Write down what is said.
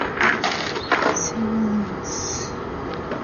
However, the trade name generally used is Severums.